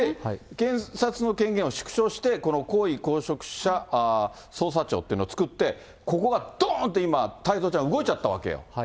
検察の権限を縮小して、この高位公職者捜査庁というのを作って、ここがどーんと今、太蔵ちゃん、動いちゃったわけよ。